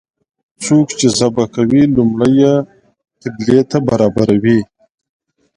څوک چې ذبحه کوي لومړی یې قبلې ته برابروي.